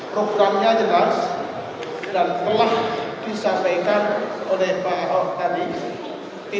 programnya jelas dan telah disampaikan oleh pak ahok tadi